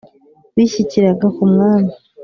bishyikiraga ku mwami.